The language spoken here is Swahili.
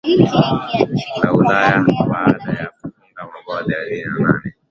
La Ulaya baada ya kufunga mabao thelathini na nne